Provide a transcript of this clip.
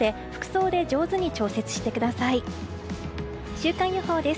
週間予報です。